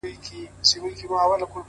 څه کيفيت دی چي حساب چي په لاسونو کي دی’